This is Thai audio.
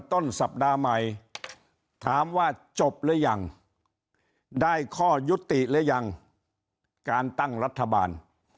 โดยเฉพาะหน้าตาของรัฐบาล